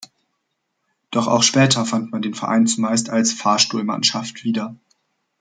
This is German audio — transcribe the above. Doch auch später fand man den Verein zumeist als "Fahrstuhlmannschaft" wieder.